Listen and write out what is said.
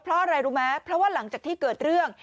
เพราะอะไรรู้ไหมเพราะว่าหลังจากที่เกิดเรื่อง